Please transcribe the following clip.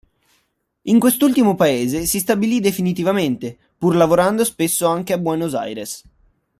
In quest'ultimo Paese si stabilì definitivamente, pur lavorando spesso anche a Buenos Aires.